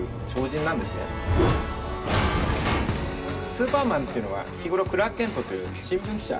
スーパーマンっていうのは日頃クラーク・ケントという新聞記者。